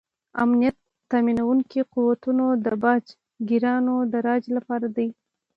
امنیت تامینونکي قوتونه د باج ګیرانو د راج لپاره دي.